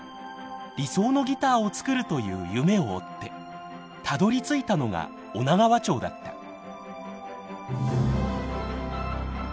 理想のギターをつくるという夢を追ってたどりついたのが女川町だった。